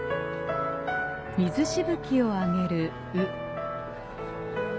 水しぶきを上げる鵜。